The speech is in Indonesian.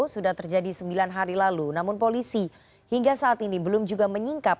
sudah terjadi sembilan hari lalu namun polisi hingga saat ini belum juga menyingkap